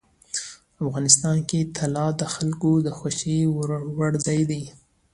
افغانستان کې طلا د خلکو د خوښې وړ ځای دی.